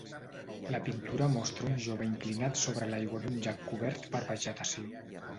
La pintura mostra un jove inclinat sobre l'aigua d'un llac cobert per vegetació.